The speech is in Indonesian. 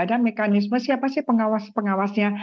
ada mekanisme siapa sih pengawas pengawasnya